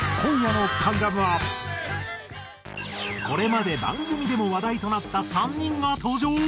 これまで番組でも話題となった３人が登場！